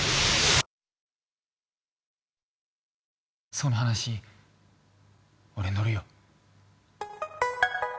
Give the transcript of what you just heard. その話俺乗るよ。